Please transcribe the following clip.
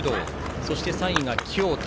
そして、３位が京都。